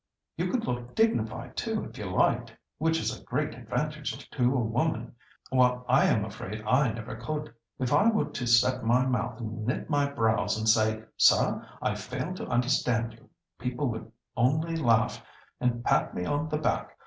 You could look dignified too, if you liked, which is a great advantage to a woman, while I am afraid I never could. If I were to set my mouth and knit my brows and say 'Sir! I fail to understand you,' people would only laugh and pat me on the back.